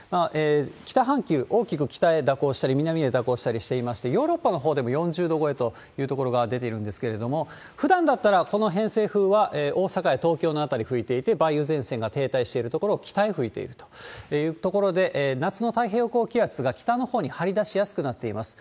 北半球、大きく北へ蛇行したり、南へ蛇行したりしていまして、ヨーロッパのほうでも４０度超えという所が出ているんですけれども、ふだんだったらこの偏西風は大阪や東京の辺り吹いていて、梅雨前線が停滞しているところを北へ吹いていくというところで、夏の太平洋高気圧が北のほうに張り出しやすくなっています。